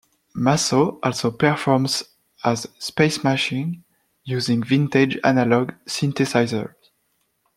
Maso also performs as Space Machine using vintage analog synthesizers.